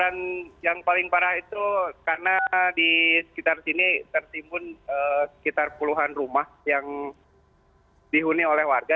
dan yang paling parah itu karena di sekitar sini tertimbun sekitar puluhan rumah yang dihuni oleh warga